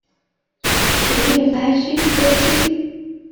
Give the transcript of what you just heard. Can you imagine, Bertie?